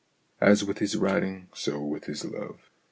As with his writing so with his love.